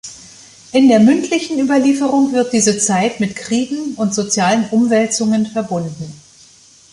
In der mündlichen Überlieferung wird diese Zeit mit Kriegen und sozialen Umwälzungen verbunden.